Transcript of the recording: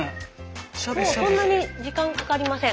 もうそんなに時間かかりません。